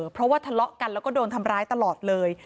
เพราะว่าทะเลาะกันแล้วก็โดนทำร้ายตลอดเลย